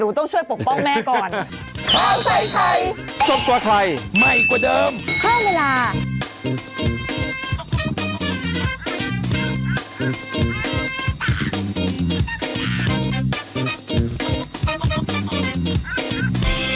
เดี๋ยวหนูต้องช่วยปกป้องแม่ก่อน